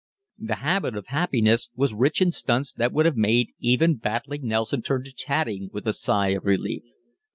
"The Habit of Happiness" was rich in stunts that would have made even Battling Nelson turn to tatting with a sigh of relief.